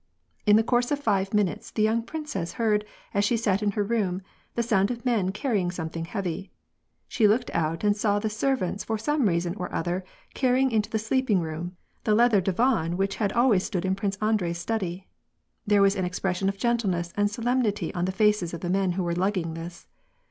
In the course of five minutes the young princess heard as she sat in her room, the sound of men carrying something heavy. She looked out and saw the servants for some reason or other, carrying into the slee^nng room, the leather divan which had always stood in Prince Andrei's study. There was an expression of gentleness and solemnity on the faces of the men who were lugging this.